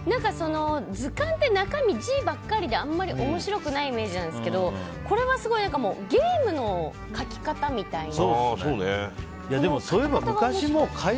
図鑑って中身が字ばっかりであんまり面白くないイメージなんですけどこれは、すごいゲームの書き方みたいな。